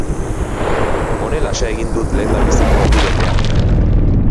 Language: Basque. Honelaxe egin dut lehendabiziko ordubetea.